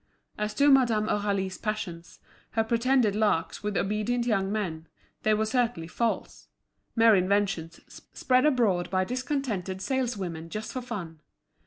As to Madame Aurélie's passions, her pretended larks with obedient young men, they were certainly false; mere inventions, spread abroad by discontented saleswomen just for fun.